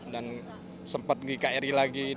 dan sempat di kri lagi